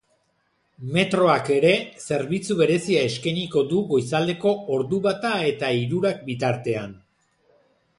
Metroak ere zerbitzu berezia eskainiko du goizaldeko ordu bata eta hirurak bitartean.